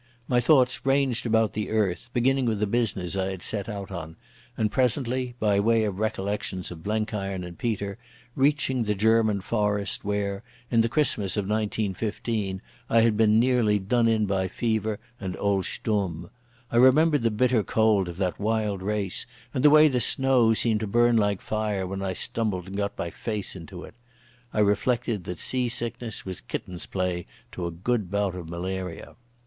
My thoughts ranged about the earth, beginning with the business I had set out on, and presently—by way of recollections of Blenkiron and Peter—reaching the German forest where, in the Christmas of 1915, I had been nearly done in by fever and old Stumm. I remembered the bitter cold of that wild race, and the way the snow seemed to burn like fire when I stumbled and got my face into it. I reflected that sea sickness was kitten's play to a good bout of malaria.